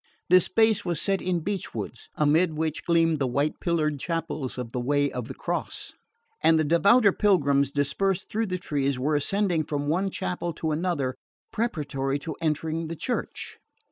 This space was set in beech woods, amid which gleamed the white pillared chapels of the Way of the Cross; and the devouter pilgrims, dispersed beneath the trees, were ascending from one chapel to another, preparatory to entering the church.